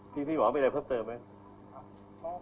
พี่หมอมีอะไรเพิ่มเติมไหม